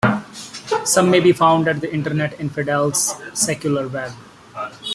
Some may be found at the Internet Infidels' Secular Web.